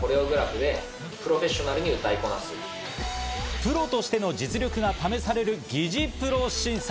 プロとしての実力が試される擬似プロ審査。